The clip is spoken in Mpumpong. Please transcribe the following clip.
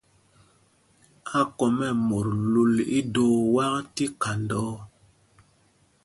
Ákɔm ɛ́ mot lul ídoo wak tí khanda ɔ.